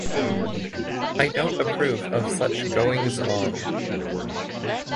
I don’t approve of such goings-on.